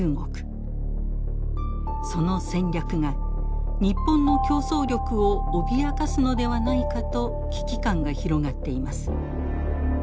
その戦略が日本の競争力を脅かすのではないかと危機感が広がっています。